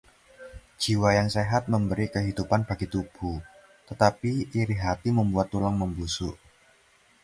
Jiwa yang sehat memberi kehidupan bagi tubuh, tetapi iri hati membuat tulang membusuk.